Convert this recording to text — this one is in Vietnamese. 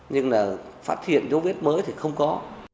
nhưng là phát hiện dấu vết mới thì không có